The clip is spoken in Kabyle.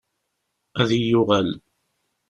Ad yi-yuɣal.